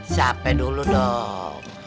siapa dulu dong